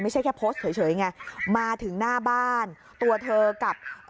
ไม่ใช่แค่โพสต์เฉยไงมาถึงหน้าบ้านตัวเธอกับ